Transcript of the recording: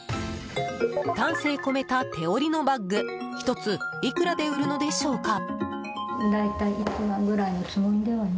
丹精込めた手織りのバッグ１ついくらで売るのでしょうか。